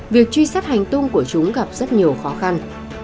việc truy sát hành tung của chúng gặp rất nhiều khó khăn